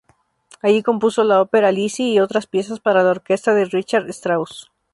Allí compuso la ópera "Lizzie" y otras piezas para la orquesta de Richard Strauss.